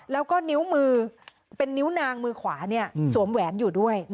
แล้วก็นิ้วมือเป็นนิ้วนางมือขวาสวมแหวนอยู่ด้วย